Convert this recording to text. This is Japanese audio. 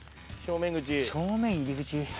正面入り口。